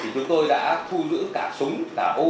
chúng tôi đã thu giữ cả súng cả ô tô